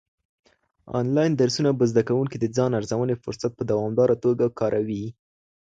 انلاين درسونه به زده کوونکي د ځان ارزونې فرصت په دوامداره توګه کاروي.